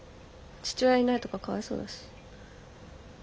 父親いないとかかわいそうだし。